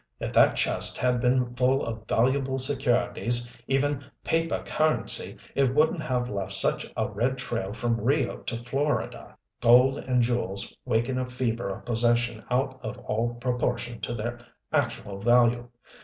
If that chest had been full of valuable securities, even paper currency, it wouldn't have left such a red trail from Rio to Florida. Gold and jewels waken a fever of possession out of all proportion to their actual value.